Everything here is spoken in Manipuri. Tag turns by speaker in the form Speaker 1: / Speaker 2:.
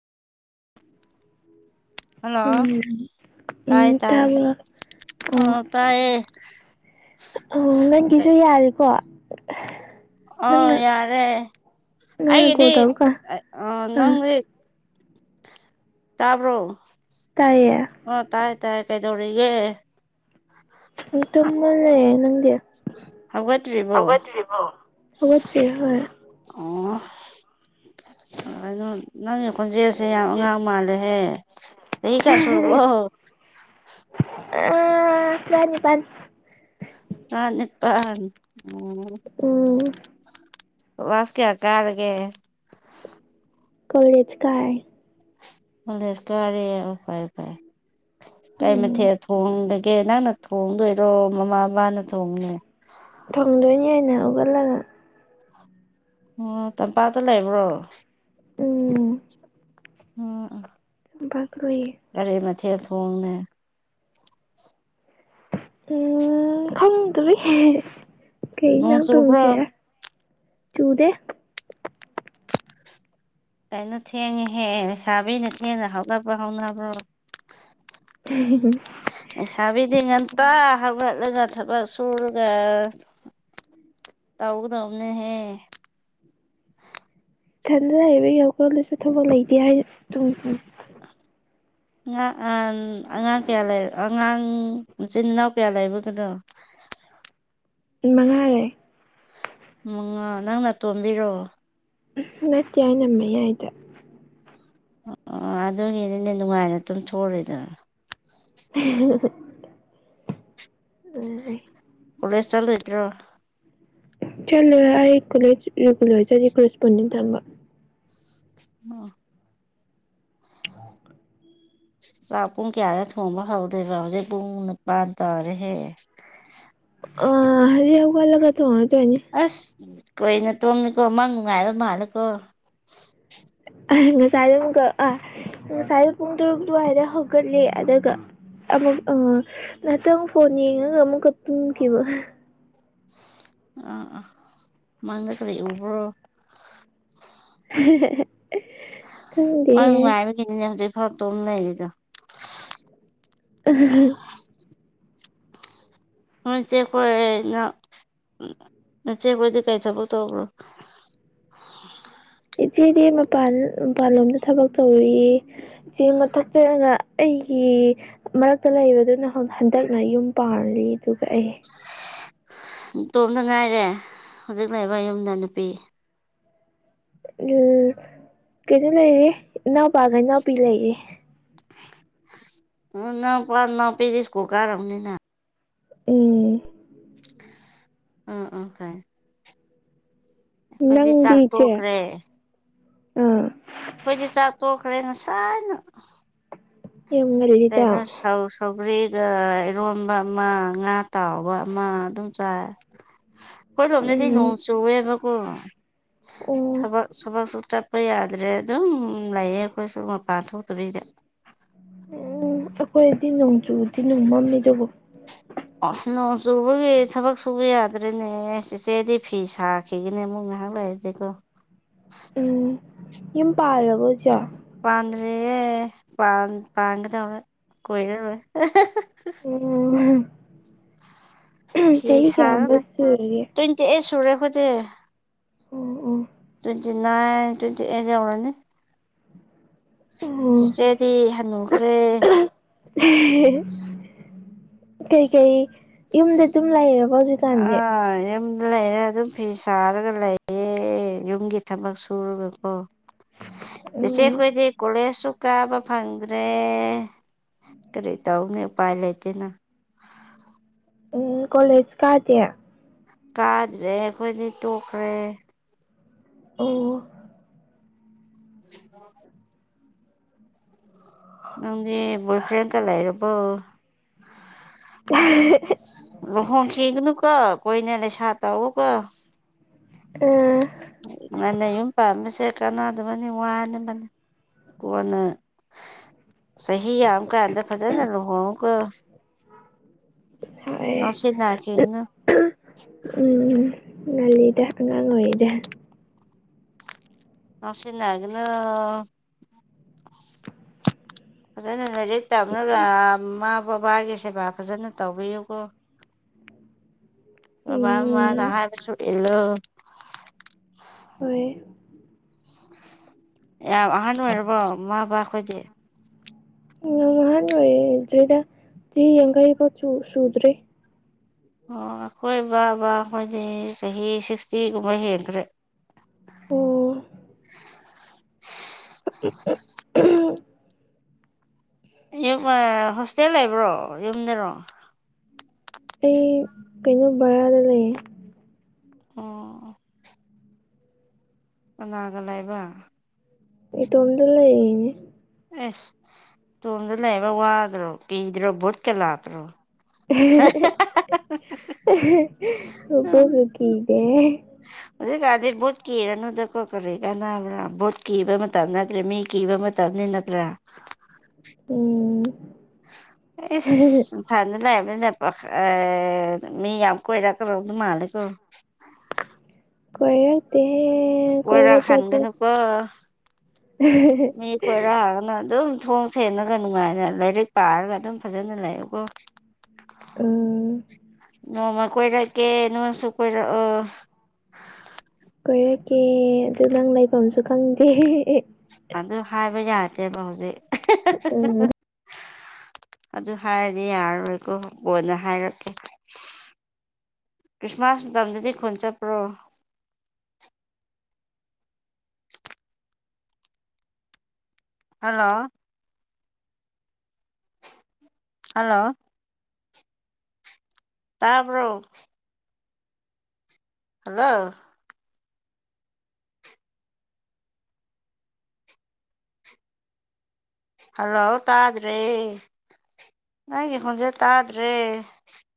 Speaker 1: ꯍꯜꯂꯣ
Speaker 2: ꯎꯝ
Speaker 1: ꯇꯥꯏ
Speaker 2: ꯎꯝ ꯇ
Speaker 1: ꯇꯥꯏꯌꯦ
Speaker 2: ꯑꯣ ꯎꯝ ꯅꯪꯒꯤꯁꯨ ꯌꯥꯔꯦꯀꯣ
Speaker 1: ꯑ ꯌꯥꯔꯦ
Speaker 2: ꯅꯪꯅ ꯀꯣꯜ
Speaker 1: ꯑꯩꯒꯤꯗꯤ
Speaker 2: ꯇꯧꯕꯀꯥꯟ ꯑꯥ
Speaker 1: ꯅꯪꯗꯤ ꯇꯥꯕ꯭ꯔꯣ
Speaker 2: ꯇꯌꯦ
Speaker 1: ꯑꯣ ꯇꯥꯏ ꯇꯥꯏ ꯇꯥꯏꯗꯧꯔꯤꯦ
Speaker 2: ꯇꯨꯝꯃꯥ ꯂꯩꯔꯦ ꯅꯪ ꯗꯤ
Speaker 1: ꯍꯧꯒꯠꯇ꯭ꯔꯤꯕꯣ
Speaker 2: ꯍꯧꯒꯠꯇꯔꯤꯕꯣ
Speaker 1: ꯑꯣꯩꯅꯣ ꯅꯪꯒꯤ ꯈꯣꯟꯖꯦꯜꯁꯦ ꯌꯥꯝ ꯑꯉꯥꯡ ꯃꯥꯜꯂꯦꯍꯦ ꯆꯍꯤ ꯀꯥ ꯁꯨꯔꯕꯣ
Speaker 2: ꯑ ꯐꯅꯤ ꯐꯅꯤ
Speaker 1: ꯔꯥꯅꯤꯄꯥꯜ ꯎ
Speaker 2: ꯎꯝ
Speaker 1: ꯀꯂ꯭ꯥꯁ ꯀꯌꯥ ꯀꯥꯔꯒꯦ
Speaker 2: ꯀꯔꯦꯖ ꯀꯥꯏ
Speaker 1: ꯀꯣꯔꯖ ꯀꯔꯦ ꯐꯥꯏ ꯐꯥꯏ ꯀꯩ
Speaker 2: ꯎꯝ
Speaker 1: ꯃꯊꯦꯜ ꯊꯣꯡꯕꯒꯦ ꯅꯪꯅ ꯊꯣꯡꯗꯣꯏꯔꯣ ꯃꯃꯥ ꯃꯄꯥꯅ ꯊꯣꯡꯅꯦ
Speaker 2: ꯊꯣꯡꯗꯣꯏꯅꯤ ꯍꯥꯏꯅ ꯍꯧꯒꯠꯂꯒ
Speaker 1: ꯑꯣ ꯇꯝꯄꯥꯛꯇ ꯂꯩꯕ꯭ꯔꯣ
Speaker 2: ꯑꯗꯨ
Speaker 1: ꯎꯝ
Speaker 2: [unintelligible]
Speaker 1: ꯀꯔꯤ ꯃꯊꯦꯜ ꯊꯣꯡꯉꯦ
Speaker 2: ꯎꯝ ꯈꯪꯗ꯭ꯔꯤ
Speaker 1: ꯅꯣꯡ
Speaker 2: ꯀꯩꯖꯥꯡ
Speaker 1: ꯆꯨꯕ꯭ꯔꯣ
Speaker 2: ꯊꯣꯡꯁꯤꯔ ꯆꯨꯗꯦ
Speaker 1: ꯀꯩꯅꯣ ꯊꯦꯡꯉꯦꯍꯦ ꯂꯩꯁꯥꯕꯤꯅ ꯊꯦꯡꯅ ꯍꯧꯒꯠꯄ ꯍꯧꯅꯕ꯭ꯔꯣ
Speaker 2: [inaudible]
Speaker 1: ꯂꯩꯩꯁꯥꯕꯤꯗꯤ ꯉꯟꯇꯥ ꯍꯧꯞꯒꯠꯂꯒ ꯊꯕꯛ ꯁꯨꯔꯒ ꯇꯧꯒꯗꯧꯅꯦꯍꯦ
Speaker 2: ꯏꯊꯟꯗ ꯂꯩꯕ ꯍꯧꯒꯠꯂꯁꯨ ꯊꯕꯛ ꯂꯩꯇꯦ ꯍꯥꯏ
Speaker 1: ꯑꯉꯥꯡ ꯀꯌꯥ ꯂꯩ ꯑꯉꯥꯡ ꯏꯆꯤꯟ ꯏꯅꯥꯎ ꯀꯌꯥ ꯂꯩꯕꯒꯅꯣ
Speaker 2: ꯃꯉꯥꯔꯦ
Speaker 1: ꯃꯉꯥ ꯅꯪꯅ ꯇꯣꯝꯕꯤꯔꯣ
Speaker 2: ꯅꯠꯇꯦ ꯑꯩꯅꯥ ꯃꯌꯥꯏ
Speaker 1: ꯑꯣ ꯑꯣ ꯑꯗꯨꯒꯤꯅꯤꯅꯦ ꯅꯨꯡꯉꯥꯏꯅ ꯑꯗꯨꯝ ꯊꯣꯛꯎꯔꯦꯗꯅ
Speaker 2: [inaudible] [unintelligible]
Speaker 1: ꯀꯣꯂꯦꯖ ꯆꯠꯂꯣꯏꯗ꯭ꯔꯣ
Speaker 2: ꯆꯂꯣꯏꯔ ꯑꯩ ꯀꯣꯂꯦꯖ ꯒꯨꯂꯔꯖꯤ ꯀꯦꯁꯄꯣꯟ ꯊꯝꯕ
Speaker 1: ꯑ ꯆꯥꯛ ꯄꯨꯡ ꯀꯌꯥꯗ ꯊꯣꯡꯕ ꯍꯧꯗꯣꯏꯕꯣ ꯍꯧꯖꯤꯛ ꯄꯨꯡ ꯅꯤꯄꯥꯥꯟ ꯇꯥꯔꯦꯍꯦ
Speaker 2: ꯑ ꯍꯧꯖꯤꯛ ꯍꯧꯒꯠꯂꯒ ꯊꯣꯡꯉꯗꯣꯢꯅꯤ
Speaker 1: ꯑꯁ ꯀꯣꯏꯅ ꯇꯣꯝꯃꯤꯀꯣ ꯃꯪ ꯅꯨꯡꯉꯥꯏꯕ ꯃꯥꯜꯂꯦꯀꯣ
Speaker 2: [unintelligible] ꯉꯁꯥꯏ ꯄꯨꯡ ꯇꯔꯨꯛ ꯑꯗꯨꯋꯥꯏꯗ ꯍꯧꯒꯠꯂꯦ ꯑꯗꯨꯒ ꯑꯃꯨꯛ ꯑ ꯉꯍꯥꯛꯇꯪꯨ ꯐꯣꯟ ꯌꯦꯡꯉꯒ ꯑꯃꯨꯛꯀ ꯇꯨꯝꯈꯤꯕ
Speaker 1: ꯑ ꯑꯥ ꯃꯪ ꯗ ꯀꯔꯤ ꯎꯕ꯭ꯔꯣ
Speaker 2: [inaudible] ꯈꯪꯗꯦ
Speaker 1: ꯃꯥ ꯅꯨꯡꯉꯥꯏꯕꯒꯤꯅꯦ ꯍꯧꯖꯤꯛ ꯐꯥꯎ ꯇꯨꯝ ꯂꯩꯔꯤꯗꯣ
Speaker 2: ꯑ
Speaker 1: ꯅꯣꯏ ꯆꯦꯍꯣꯏ ꯅꯆꯦ ꯍꯣꯏꯗꯤ ꯀꯩ ꯊꯕꯛ ꯇꯧꯕ꯭ꯔꯣ
Speaker 2: ꯏꯆꯦꯗꯤ ꯃꯄꯥꯟ ꯃꯄꯥꯟꯂꯣꯝꯗ ꯊꯕꯛ ꯇꯧꯔꯤꯌꯦ ꯁꯤ ꯃꯊꯛꯇꯅ ꯑꯩꯒꯤ ꯃꯔꯛꯇ ꯂꯩꯕꯗꯨꯅ ꯍꯟꯗꯛꯅ ꯌꯨꯝ ꯄꯥꯜꯂꯤ ꯑꯗꯨꯒ ꯑꯩ
Speaker 1: ꯇꯣꯝꯗ ꯉꯥꯏꯔꯦ ꯍꯧꯖꯤꯛ ꯂꯩꯕ ꯌꯨꯝꯗ ꯅꯨꯄꯤ
Speaker 2: ꯎꯝ ꯀꯩꯅꯣ ꯂꯩꯔꯤ ꯏꯅꯥꯎꯄꯥꯒ ꯏꯅꯥꯎꯄꯤ ꯂꯩꯔꯦ꯫
Speaker 1: ꯎ ꯅꯎꯄꯥ ꯅꯥꯎꯄꯤꯗꯤ ꯁꯀꯨꯜ ꯀꯥꯔꯕꯅꯤꯅ꯫
Speaker 2: ꯎꯝ꯫
Speaker 1: ꯎꯝ ꯎꯝ꯫ ꯐꯩ ꯑꯩꯈꯣꯏꯗꯤ ꯆꯥꯛ
Speaker 2: ꯅꯪꯗꯤꯆꯦ
Speaker 1: ꯇꯣꯛꯈ꯭ꯔꯦ
Speaker 2: ꯑꯥ꯫
Speaker 1: ꯑꯈꯣꯏꯗꯤ ꯆꯥꯛ ꯇꯛꯈ꯭ꯔꯦ ꯉꯁꯥꯏꯅ꯫
Speaker 2: ꯌꯥꯝ ꯉꯜꯂꯤꯗ
Speaker 1: ꯀꯩꯅꯣ ꯁꯧ ꯁꯧꯒ꯭ꯔꯤꯒ ꯏꯔꯣꯟꯕ ꯑꯃ ꯉꯥ ꯇꯥꯎꯕ ꯑꯃ ꯑꯗꯨꯝ ꯆꯥꯏ
Speaker 2: [inaudible]
Speaker 1: ꯑꯩꯈꯣꯏꯔꯣꯝꯗꯗꯤ
Speaker 2: ꯎꯝ
Speaker 1: ꯅꯣꯡ ꯆꯨꯋꯦꯕꯀꯣ
Speaker 2: ꯑꯣ ꯎꯝ
Speaker 1: ꯊꯕꯛ ꯊꯕꯛꯁꯨ ꯆꯠ ꯑꯩꯈꯣꯏ ꯌꯥꯗ꯭ꯔꯦ ꯑꯗꯨꯝ ꯂꯩꯌꯦ ꯑꯩꯈꯣꯏꯁꯨ ꯃꯄꯥꯟ ꯊꯣꯛꯇꯕꯤꯗ
Speaker 2: ꯎꯝ ꯑꯩꯈꯣꯏꯗꯤ ꯅꯣꯡ ꯆꯨꯗꯤꯅꯦ ꯃꯝꯅꯤꯗꯨꯕꯣ
Speaker 1: ꯑꯁ ꯅꯣꯡ ꯆꯨꯕꯒꯤ ꯊꯕꯛ ꯁꯨꯕ ꯌꯥ꯫ ꯌꯥꯗ꯭ꯔꯦꯅꯦ ꯆꯦꯆꯦꯗꯤ ꯐꯤ ꯁꯥꯈꯤꯒꯅꯦ ꯑꯃꯨꯛ ꯉꯥꯏꯍꯥꯛ ꯂꯩꯔꯗꯤꯀꯣ꯫
Speaker 2: ꯎꯝ ꯌꯨꯝ ꯄꯥꯜꯂꯕꯣ ꯆꯦ
Speaker 1: ꯄꯥꯟꯗ꯭ꯔꯤꯌꯦ ꯄꯥꯟ ꯄꯥꯟꯒꯗꯧꯔꯦ ꯀꯨꯏꯔꯔꯣꯏ꯫
Speaker 2: ꯑꯣ ꯆꯍꯤ ꯀꯌꯥꯃꯨꯛ ꯁꯨꯔꯒꯦ
Speaker 1: ꯆꯦꯑꯦ ꯁꯨꯔꯦ ꯑꯈꯣꯏꯗꯤ꯫
Speaker 2: ꯎꯝ ꯎꯝ꯫
Speaker 1: ꯇ꯭ꯋꯦꯟꯇꯤ ꯅꯥꯏꯟ ꯇ꯭ꯋꯦꯟꯇꯤ ꯑꯦꯠ ꯌꯥꯥꯎꯔꯅꯤ꯫
Speaker 2: ꯑꯣ
Speaker 1: ꯆꯆꯦꯗꯤ ꯍꯥꯟꯅꯨꯈ꯭ꯔꯦ꯫
Speaker 2: ꯀꯩꯀꯩ ꯌꯨꯝꯗ ꯑꯗꯨꯝ ꯂꯩꯔꯕꯣ ꯍꯧꯖꯤꯛ꯫
Speaker 1: ꯑ ꯌꯨꯝꯗ ꯂꯩꯌꯦ꯫ ꯑꯗꯨꯝ ꯐꯤ ꯁꯥꯔꯒ ꯂꯩꯌꯦ ꯌꯨꯝꯒꯤ ꯊꯕꯛ ꯁꯨꯔꯒꯀꯣ꯫ ꯆꯤꯆꯦ
Speaker 2: ꯎꯝ
Speaker 1: ꯈꯣꯏꯗꯤ꯫ ꯀꯣꯂꯦꯖꯁꯨ ꯀꯥꯕ ꯐꯪꯗ꯭ꯔꯦ ꯀꯔꯤ ꯇꯧꯅꯤ ꯎꯄꯥꯏ ꯂꯩꯇꯦꯅ꯫
Speaker 2: ꯎꯝ ꯀꯣꯂꯦꯖ ꯀꯥꯗꯦ꫰꫰
Speaker 1: ꯀꯥꯗ꯭ꯔꯦ ꯑꯩꯈꯣꯏꯗꯤ ꯇꯣꯛꯈ꯭ꯔꯦ꯫
Speaker 2: ꯑꯣ
Speaker 1: [inaudible] ꯅꯪꯗꯤ ꯕꯣꯏꯐ꯭ꯔꯦꯟꯒ ꯂꯩꯔꯕꯣ꯫
Speaker 2: [unintelligible]
Speaker 1: ꯂꯨꯍꯣꯡꯈꯤꯒꯅꯨꯀꯣ ꯀꯨꯏꯅ ꯂꯩꯁꯥ ꯇꯧꯎꯑꯣ ꯀꯣ꯫
Speaker 2: ꯎꯝ꯫
Speaker 1: ꯉꯟꯅ ꯌꯨꯝ ꯄꯥꯟꯕꯁꯦ ꯀꯅꯥꯗꯕꯅꯤ ꯋꯥꯅꯕꯅꯤ ꯀꯣꯟꯅ꯫ ꯆꯍꯤ ꯌꯥꯝ ꯀꯥꯟꯗ ꯐꯖꯅ ꯂꯨꯍꯣꯡꯒꯨꯀꯣ꯫
Speaker 2: [inaudible] ꯍꯣꯏ
Speaker 1: ꯉꯥꯎꯁꯤꯟ ꯅꯈꯤꯅꯨ꯫
Speaker 2: ꯎꯝ ꯉꯜꯂꯤꯗ ꯑꯉꯥꯡ ꯑꯣꯏꯔꯤꯗꯦ꯫
Speaker 1: ꯉꯥꯎꯁꯤꯟꯅꯒꯅꯨ ꯐꯥꯖ ꯂꯥꯏꯔꯤꯛ꯫ ꯇꯞꯂꯒ ꯃꯥꯃ ꯕꯥꯕꯒꯤ ꯁꯦꯕꯥ ꯐꯖꯅ ꯇꯧꯕꯤꯌꯨꯀꯣ꯫ ꯕꯥꯕ
Speaker 2: ꯎꯝ
Speaker 1: ꯃꯥꯃꯅ ꯍꯥꯏꯕꯁꯨ ꯏꯜꯂꯨ꯫
Speaker 2: ꯍꯣꯏ꯫
Speaker 1: ꯌꯥꯝ ꯑꯍꯥꯟ ꯑꯣꯏꯔꯕꯣ ꯃꯥꯄꯥ ꯑꯩꯈꯣꯏꯗꯤ꯫
Speaker 2: ꯎꯝ ꯑꯍꯥꯟ ꯑꯣꯏꯗꯔꯤꯗ ꯆꯍꯤ ꯌꯥꯡꯈꯩ ꯐꯥꯎ ꯁꯨꯗꯔꯤ꯫
Speaker 1: ꯑꯣ ꯑꯩꯈꯣꯏ ꯕꯥꯕꯥꯈꯣꯏꯗꯤ ꯆꯍꯤ ꯁꯤꯛꯁꯇꯤꯒꯨꯝꯕ ꯍꯦꯟꯈ꯭ꯔꯦ꯫
Speaker 2: ꯄꯨꯡ꯫ [unintelligible]
Speaker 1: ꯌꯨꯝ ꯍꯣꯁꯇꯦꯜ ꯂꯩꯕ꯭ꯔꯣ ꯌꯨꯝꯗꯔꯣ꯫
Speaker 2: ꯑꯩ ꯀꯩꯅꯣ ꯕꯔꯥꯗ ꯂꯩꯌꯦ
Speaker 1: ꯑꯣ ꯀꯅꯥꯒ ꯂꯩꯕ
Speaker 2: ꯏꯇꯣꯝꯗ ꯂꯩꯅꯦ
Speaker 1: ꯑꯦꯁ ꯇꯣꯝꯗ ꯂꯩꯕ ꯋꯥꯗ꯭ꯔꯣ ꯀꯤꯗ꯭ꯔꯣ ꯚꯨꯠꯀ ꯂꯥꯛꯇ꯭ꯔꯣ
Speaker 2: ꯔꯕ
Speaker 1: ꯎꯝ
Speaker 2: ꯁꯈꯤꯗꯦ
Speaker 1: ꯍꯧꯖꯤꯛꯀꯥꯟꯗꯤ ꯚꯣꯠ ꯀꯤꯔꯅꯨꯗꯀꯣ ꯀꯔꯤ ꯀꯥꯟꯅꯕ꯭ꯔꯥ ꯕꯣꯠ ꯀꯤꯕ ꯃꯇꯝ ꯅꯠꯇ꯭ꯔꯦ ꯃꯤ ꯀꯤꯕ ꯃꯇꯝ ꯇꯞꯅꯤ ꯅꯠꯇ꯭ꯔꯥ
Speaker 2: ꯎꯝ꫰꫰
Speaker 1: ꯏꯁ ꯏꯝꯐꯥꯜꯗ ꯂꯩꯕ ꯑꯦ ꯃꯤ ꯌꯥꯝ ꯀꯣꯏꯔꯀꯔꯣꯗ ꯃꯥꯂꯦꯀꯣ꯫
Speaker 2: ꯀꯣꯏꯔꯛ ꯊꯦꯍꯦ ꯀꯣꯏꯕ
Speaker 1: ꯀꯣꯏꯔꯛ
Speaker 2: ꯆꯠꯄ꯫
Speaker 1: ꯍꯟꯒꯅꯨꯀꯣ
Speaker 2: [unintelligible]
Speaker 1: ꯃꯤ ꯀꯣꯏꯔꯛꯑꯒꯅ ꯑꯗꯨꯝ ꯊꯣꯡꯁꯦꯅꯔꯒ ꯅꯨꯡꯉꯥꯏꯅ ꯂꯥꯏꯔꯤꯛ ꯄꯥꯔꯒ ꯑꯗꯨꯝ ꯐꯖꯅ ꯂꯩꯌꯨꯀꯣ꯫
Speaker 2: ꯎꯝ꯫
Speaker 1: ꯅꯣꯡꯃ ꯀꯣꯏꯂꯀꯦ ꯅꯣꯟꯁꯨ ꯀꯣꯏꯂ ꯑ
Speaker 2: ꯀꯣꯏꯔꯛꯀꯦ ꯑꯗꯨ ꯅꯪ ꯂꯩꯐꯝꯁꯨ ꯈꯪꯗꯦ
Speaker 1: ꯑꯗꯨ ꯍꯥꯏꯕ ꯌꯥꯗꯦꯕ ꯍꯧꯖꯤꯛ
Speaker 2: ꯎꯝ
Speaker 1: ꯑꯗꯨ ꯍꯥꯏꯔꯗꯤꯔ ꯑꯩꯣ ꯀꯣꯏꯅ ꯍꯥꯏꯔꯛꯀꯦ ꯀ꯭ꯔꯤꯁꯃꯁ ꯃꯇꯝ ꯑꯗꯨꯗꯤꯗꯤ ꯈꯣꯟꯟ ꯄꯨ꯭ꯔꯣ ꯍꯜꯂꯣ ꯍꯜꯂꯣ ꯇꯥꯔꯕꯣ ꯍꯜꯂꯣ ꯍꯜꯂꯣ ꯇꯥꯗ꯭ꯔꯦ ꯅꯪꯒꯤ ꯈꯣꯟꯁꯦ ꯇꯥꯗ꯭ꯔꯦ